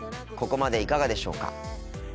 ここまでいかがでしょうか？